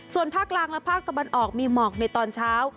ส่วนภาคกลางและภาคตะวันออกมีหมอกในตอนเช้า